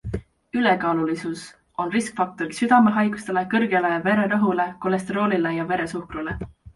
Ülekaalulisus on riskifaktoriks südamehaigustele, kõrgele vererõhule, kolesteroolile ja veresuhkrule.